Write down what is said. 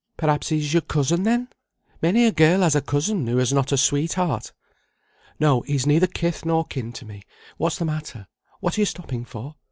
"Perhaps he's your cousin, then? Many a girl has a cousin who has not a sweetheart." "No, he's neither kith nor kin to me. What's the matter? What are you stopping for?"